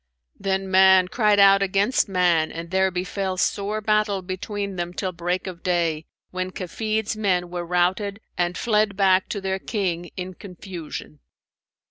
Then man cried out against man and there befell sore battle between them till break of day, when Kafid's men were routed and fled back to their King in confusion.